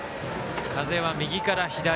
風は右から左。